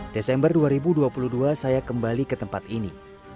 desember dua ribu dua puluh dua saya kembali ke tempat ini